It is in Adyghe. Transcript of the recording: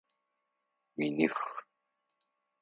Миних.